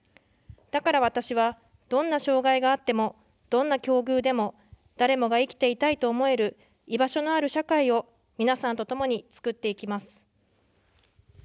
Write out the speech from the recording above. だから私は、どんな障害があっても、どんな境遇でも、誰もが生きていたいと思える居場所のある社会を皆さんとともに作っていきます。